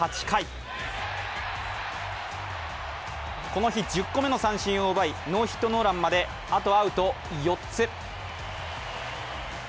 この日、１０個目の三振を奪いノーヒットノーランまであとアウト４つ。